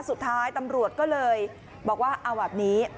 สุดท้ายตำรวจก็เลยบอกว่าเอาแบบนี้